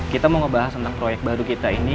kita mau ngebahas tentang proyek baru kita ini